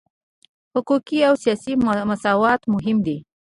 حقوقي او سیاسي مساوات مهم دي.